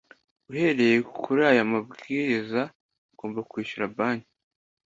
Uhereye kuri aya mabwiriza agomba kwishyura Banki